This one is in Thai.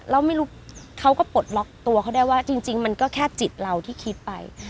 เราไม่รู้เขาก็ปลดล็อกตัวเขาได้ว่าจริงมันก็แค่จิตเราที่คิดไป